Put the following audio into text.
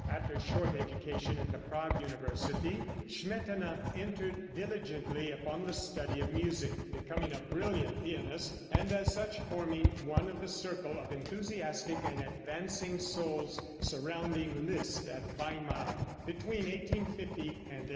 After a short education at the Prague university Smetana entered diligently upon the study of music, becoming a brilliant pianist, and as such forming one of the circle of enthusiastic and advancing souls surrounding Liszt at Weimar, between 1850 and 1860.